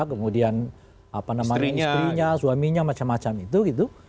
kemudian apa namanya istrinya suaminya macam macam itu gitu